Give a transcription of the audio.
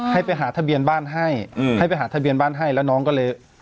ให้ไปหาทะเบียนบ้านให้ให้ไปหาทะเบียนบ้านให้แล้วน้องก็เลย